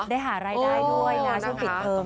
ได้หารายได้ด้วยนะช่วงปิดเทอม